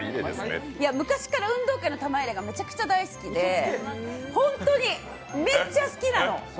昔から運動会の玉入れがめちゃくちゃ大好きでホントに、めっちゃ好きなの！